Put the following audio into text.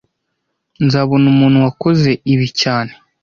Nzabona umuntu wakoze ibi cyane